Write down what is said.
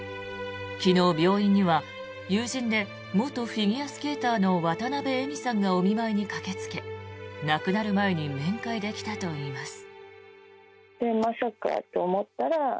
昨日、病院には友人で元フィギュアスケーターの渡部絵美さんがお見舞いに駆けつけ亡くなる前に面会できたといいます。